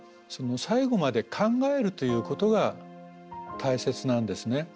最後まで考えるということが大切なんですね。